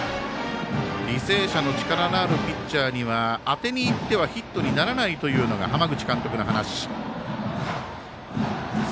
履正社の力のあるピッチャーには当てにいってはヒットにならないというのが浜口監督の話。